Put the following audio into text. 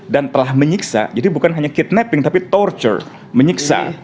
dan telah menyiksa jadi bukan hanya kidnapping tapi torture menyiksa